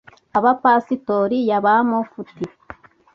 abapasitori, ya bamufuti